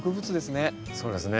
そうですね。